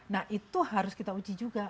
nah itu harus kita uji juga